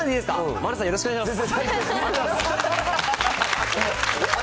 丸さんよろしくお願いします。